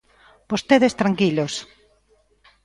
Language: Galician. ¡Vostedes tranquilos!